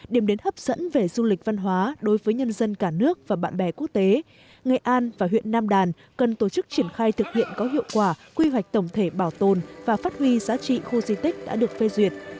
điểm đến hấp dẫn về du lịch văn hóa đối với nhân dân cả nước và bạn bè quốc tế nghệ an và huyện nam đàn cần tổ chức triển khai thực hiện có hiệu quả quy hoạch tổng thể bảo tồn và phát huy giá trị khu di tích đã được phê duyệt